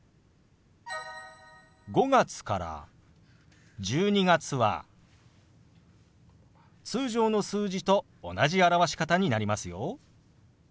５月から１２月は通常の数字と同じ表し方になりますよ。